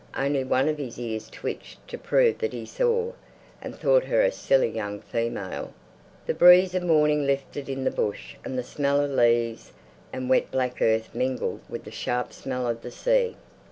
Only one of his ears twitched to prove that he saw, and thought her a silly young female. The breeze of morning lifted in the bush and the smell of leaves and wet black earth mingled with the sharp smell of the sea.